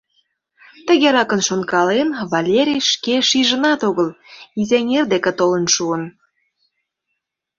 Тыгеракын шонкален, Валерий шке шижынат огыл, Изеҥер деке толын шуын.